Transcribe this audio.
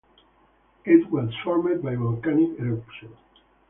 It was formed by volcanic eruption.